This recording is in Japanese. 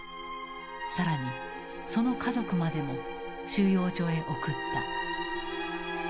更にその家族までも収容所へ送った。